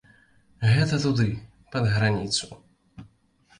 Гэта туды, пад граніцу.